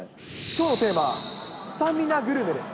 きょうのテーマ、スタミナグルメです。